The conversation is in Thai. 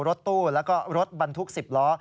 รถตู้แล้วก็รถบรรทุก๑๐ล้อ